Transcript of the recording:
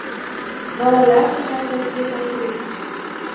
Bolalar shaharchasiga tashrif